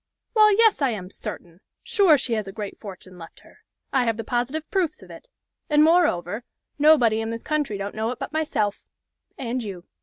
"Well, yes, I am certain sure, she has a great fortune left her. I have the positive proofs of it. And, moreover, nobody in this country don't know it but myself and you.